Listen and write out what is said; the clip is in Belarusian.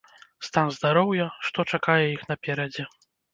Стан здароўя, што чакае іх наперадзе?